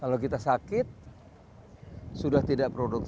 kalau kita sakit sudah tidak produktif